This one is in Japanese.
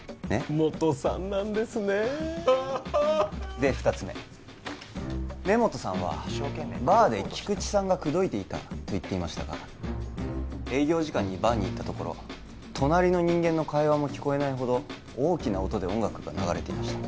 もとさんなんですねで二つ目根元さんはバーで菊池さんが口説いていたと言っていましたが営業時間にバーに行ったところ隣の人間の会話も聞こえないほど大きな音で音楽が流れていました